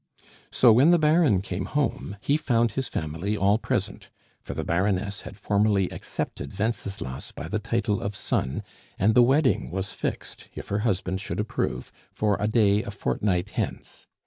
So when the Baron came home, he found his family all present; for the Baroness had formally accepted Wenceslas by the title of Son, and the wedding was fixed, if her husband should approve, for a day a fortnight hence.